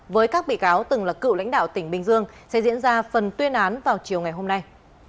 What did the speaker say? với các bị cáo từng là cựu lãnh đạo tỉnh bình dương sẽ diễn ra phần tuyên án vào chiều ngày hôm nay